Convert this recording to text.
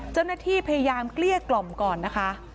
เจ้าหน้าที่พยายามเกลี้ยกล่อมก่อนนะคะ